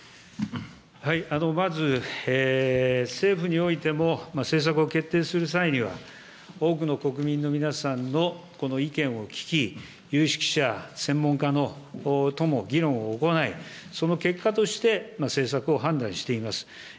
まず、政府においても、政策を決定する際には、多くの国民の皆さんのこの意見を聞き、有識者、専門家とも議論を行い、その結果として、政策を判断しています。